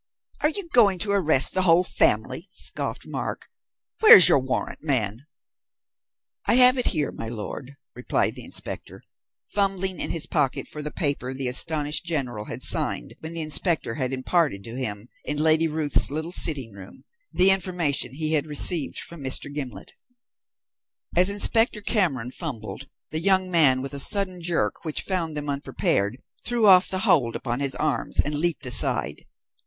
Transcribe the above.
"Are you going to arrest the whole family?" scoffed Mark. "Where's your warrant, man?" "I have it here, my lord," replied the inspector, fumbling in his pocket for the paper the astonished General had signed when the inspector had imparted to him, in Lady Ruth's little sitting room, the information he had received from Mr. Gimblet. As Inspector Cameron fumbled, the young man, with a sudden jerk which found them unprepared, threw off the hold upon his arms and leaped aside.